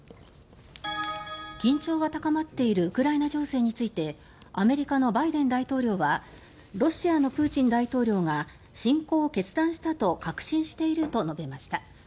緊張が高まっているウクライナ情勢についてアメリカのバイデン大統領はロシアのプーチン大統領が侵攻を決断したと確信していると述べました。